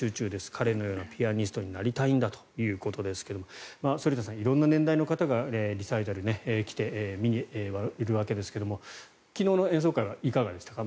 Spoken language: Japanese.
彼のようなピアニストになりたいんだということですが反田さん、色んな年代の方がリサイタルに見に来ているわけですが昨日の演奏会はいかがでしたか？